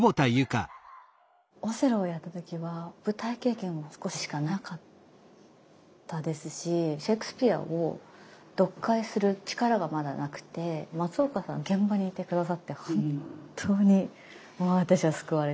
「オセロー」をやった時は舞台経験も少ししかなかったですしシェイクスピアを読解する力がまだなくて松岡さん現場にいて下さって本当にもう私は救われてました。